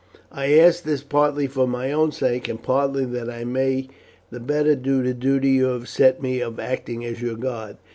I ask this partly for my own sake, and partly that I may the better do the duty you have set me of acting as your guard.